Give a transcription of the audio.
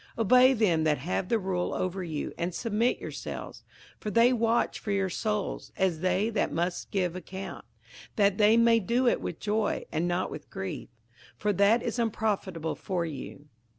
58:013:017 Obey them that have the rule over you, and submit yourselves: for they watch for your souls, as they that must give account, that they may do it with joy, and not with grief: for that is unprofitable for you.